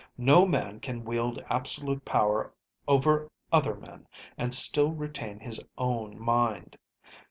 No man can wield absolute power over other men and still retain his own mind.